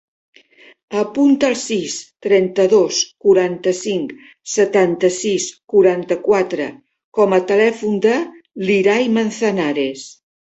Apunta el sis, trenta-dos, quaranta-cinc, setanta-sis, quaranta-quatre com a telèfon de l'Irai Manzanares.